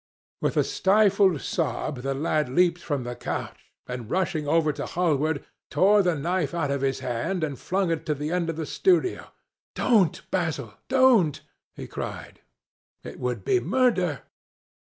With a stifled sob the lad leaped from the couch, and, rushing over to Hallward, tore the knife out of his hand, and flung it to the end of the studio. "Don't, Basil, don't!" he cried. "It would be murder!"